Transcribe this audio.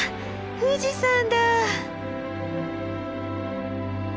富士山だ！